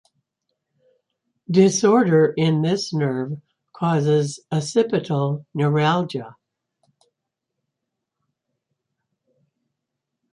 Disorder in this nerve causes occipital neuralgia.